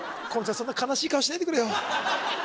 そんな悲しい顔しないでくれよ